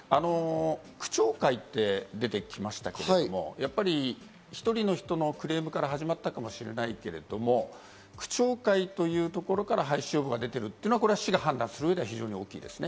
区長会って出てきましたけども、やっぱり１人の人のクレームから始まったかもしれないけれども、区長会というところから廃止要望が出てるというのは市が判断する上で非常に大きいですね。